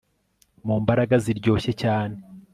Mu mbaraga ziryoshye cyane